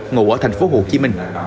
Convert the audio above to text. ngồi ở thành phố hồ chí minh